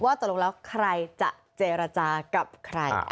ตกลงแล้วใครจะเจรจากับใคร